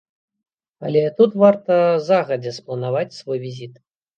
Але тут варта загадзя спланаваць свой візіт.